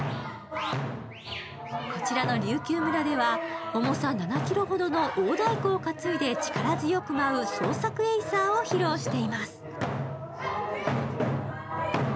こちらの琉球村では重さ７ｋｇほどの大太鼓を担いで力強く舞う創作エイサーを披露しています。